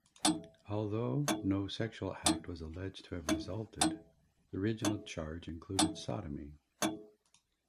Although no sexual act was alleged to have resulted, the original charge included sodomy.